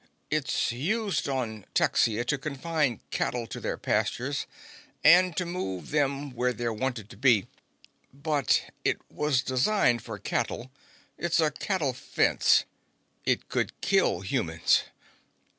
It's used on Texia to confine cattle to their pastures and to move them where they're wanted to be. But it was designed for cattle. It's a cattle fence. It could kill humans."